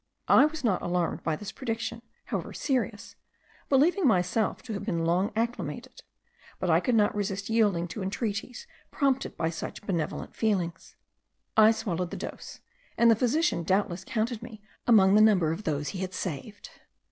I was not alarmed by this prediction, however serious, believing myself to have been long acclimated; but I could not resist yielding to entreaties, prompted by such benevolent feelings. I swallowed the dose; and the physician doubtless counted me among the number of those he had saved.